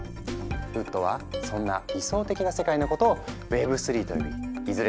ウッドはそんな理想的な世界のことを「Ｗｅｂ３」と呼びいずれ